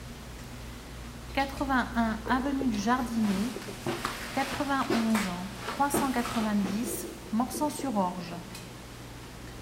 quatre-vingt-un avenue du Jardinet, quatre-vingt-onze, trois cent quatre-vingt-dix, Morsang-sur-Orge